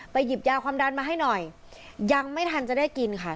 หยิบยาความดันมาให้หน่อยยังไม่ทันจะได้กินค่ะ